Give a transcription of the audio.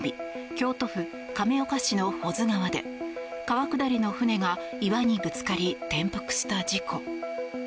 京都府亀岡市の保津川で川下りの船が岩にぶつかり転覆した事故。